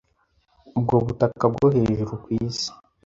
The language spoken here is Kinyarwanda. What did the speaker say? ubwo butaka bwo hejuru ku isi